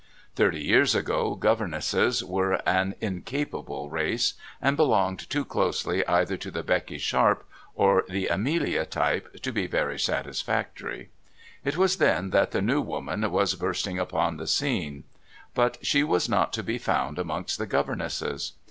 Thirty years ago governesses were an incapable race, and belonged too closely either to the Becky Sharp or the Amelia type to be very satisfactory. It was then that the New Woman was bursting upon the scene, but she was not to be found amongst the governesses.